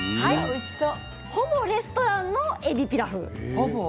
ほぼレストランのえびピラフ。